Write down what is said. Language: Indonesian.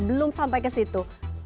belum sampai ke situ